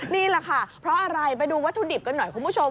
นี่แหละค่ะเพราะอะไรไปดูวัตถุดิบกันหน่อยคุณผู้ชม